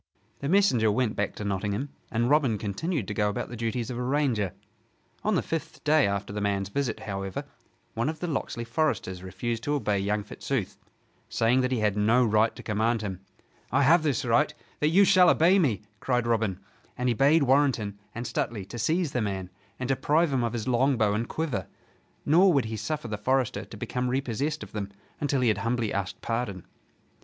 The messenger went back to Nottingham; and Robin continued to go about the duties of a ranger. On the fifth day after the man's visit, however, one of the Locksley foresters refused to obey young Fitzooth, saying that he had no right to command him. "I have this right, that you shall obey me!" cried Robin, and he bade Warrenton and Stuteley to seize the man and deprive him of his longbow and quiver. Nor would he suffer the forester to become repossessed of them until he had humbly asked pardon.